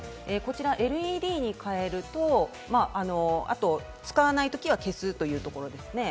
ＬＥＤに変えると、使わないときは消すというところですね。